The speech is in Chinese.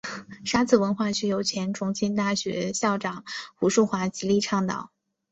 沙磁文化区由前重庆大学校长胡庶华极力倡导。